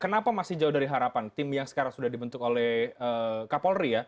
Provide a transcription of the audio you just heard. kenapa masih jauh dari harapan tim yang sekarang sudah dibentuk oleh kapolri ya